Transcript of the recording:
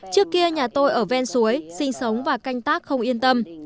trước kia nhà tôi ở ven suối sinh sống và canh tác không yên tâm